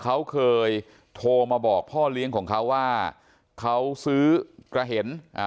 เขาเคยโทรมาบอกพ่อเลี้ยงของเขาว่าเขาซื้อกระเห็นอ่า